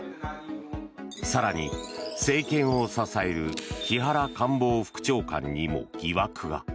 更に、政権を支える木原官房副長官にも疑惑が。